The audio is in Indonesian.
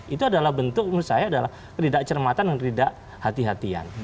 itu adalah bentuk menurut saya adalah keridak cermatan dan keridak hati hatian